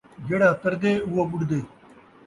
جیڑھا تردے ، اوہو ٻُݙدے